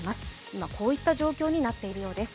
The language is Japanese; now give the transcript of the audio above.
今こういった状況になっているようです。